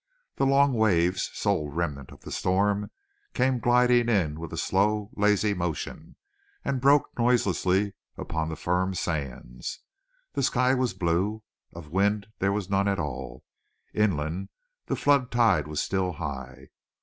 The long waves, sole remnant of the storm, came gliding in with a slow, lazy motion, and broke noiselessly upon the firm sands. The sky was blue. Of wind there was none at all. Inland, the flood tide was still high.